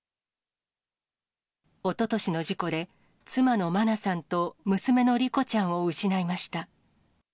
おととしの事故で、妻の真菜さんと娘の莉子ちゃんを失いました。